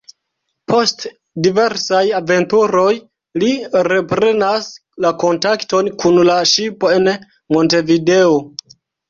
Post diversaj aventuroj, li reprenas la kontakton kun la ŝipo en Montevideo.